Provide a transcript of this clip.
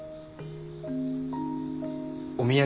お土産。